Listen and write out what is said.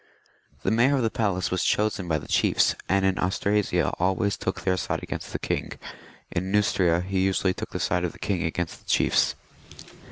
The Mayor df the Palace was chosen by the chiefs, and in Austrasia always took their side against the king ; in Keustria he usually took the side of the king against the chiefs.